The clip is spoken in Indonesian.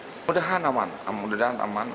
mudah mudahan aman mudah mudahan aman